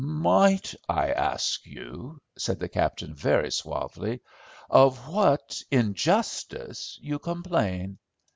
"Might I ask you," said the captain very suavely, "of what injustice you complain?"